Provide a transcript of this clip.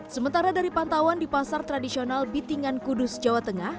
sementara dari pantauan di pasar tradisional bitingan kudus jawa tengah